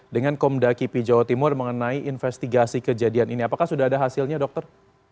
dengan komda kipi jawa timur mengenai investigasi kejadian ini apakah sudah ada hasilnya dokter